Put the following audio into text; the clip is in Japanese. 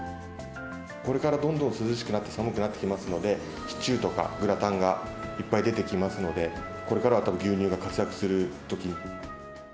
これからどんどん涼しくなって、寒くなってきますので、シチューとかグラタンがいっぱい出てきますので、これからはたぶん牛乳が活躍するとき。